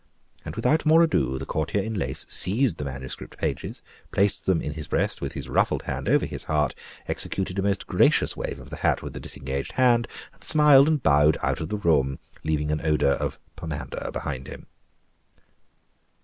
And without more ado, the courtier in lace seized the manuscript pages, placed them in his breast with his ruffled hand over his heart, executed a most gracious wave of the hat with the disengaged hand, and smiled and bowed out of the room, leaving an odor of pomander behind him.